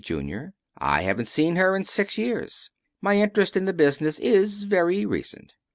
Junior. "I haven't even seen her in six years. My interest in the business is very recent.